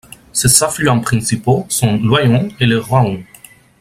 Ses affluents principaux sont l'Oyon et le Rahun.